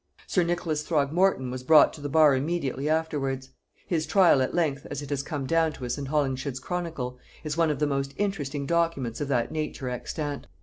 Sir Nicholas Throgmorton was brought to the bar immediately afterwards. His trial at length, as it has come down to us in Holinshed's Chronicle, is one of the most interesting documents of that nature extant.